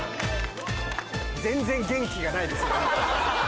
全然元気がないですね。